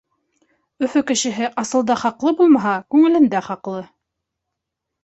Өфө кешеһе, асылда хаҡлы булмаһа, күңелендә хаҡлы.